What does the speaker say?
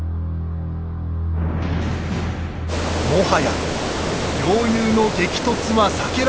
もはや両雄の激突は避けられない。